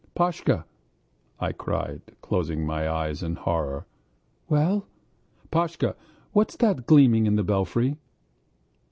"Pashka!" I cried, closing my eyes in horror. "Well?" "Pashka, what's that gleaming on the belfry?"